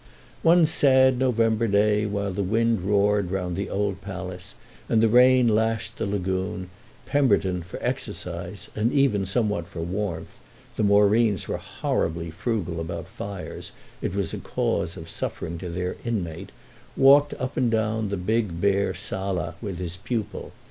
One sad November day, while the wind roared round the old palace and the rain lashed the lagoon, Pemberton, for exercise and even somewhat for warmth—the Moreens were horribly frugal about fires; it was a cause of suffering to their inmate—walked up and down the big bare sala with his pupil.